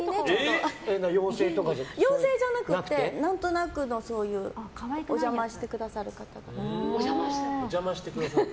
妖精じゃなくて何となくのお邪魔してくださる方？